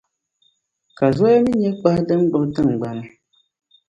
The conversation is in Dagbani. Ka zoya mi nyɛ kpahi din gbibi tiŋgbani.